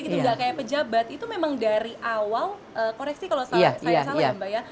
itu nggak kayak pejabat itu memang dari awal koreksi kalau saya salah ya mbak ya